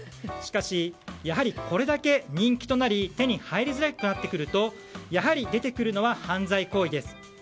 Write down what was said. しかし、これだけ人気となり手に入りづらくなってくるとやはり出てくるのは犯罪行為です。